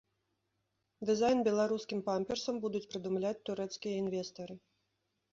Дызайн беларускім памперсам будуць прыдумляць турэцкія інвестары.